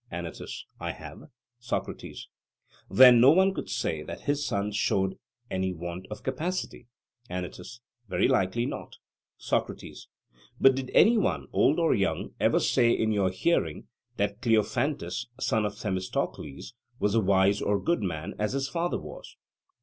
ANYTUS: I have. SOCRATES: Then no one could say that his son showed any want of capacity? ANYTUS: Very likely not. SOCRATES: But did any one, old or young, ever say in your hearing that Cleophantus, son of Themistocles, was a wise or good man, as his father was?